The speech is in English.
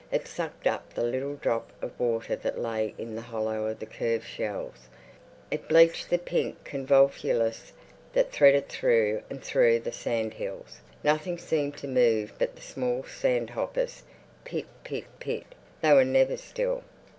It sucked up the little drop of water that lay in the hollow of the curved shells; it bleached the pink convolvulus that threaded through and through the sand hills. Nothing seemed to move but the small sand hoppers. Pit pit pit! They were never still.